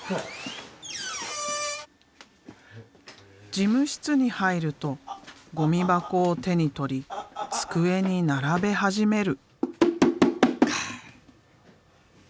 事務室に入るとゴミ箱を手に取り机に並べ始める。